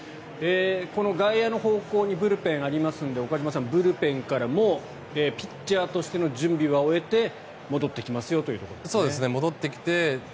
この外野の方向にブルペンがありますので岡島さん、ブルペンからもピッチャーとしての準備は終えて戻ってきますよというところですね。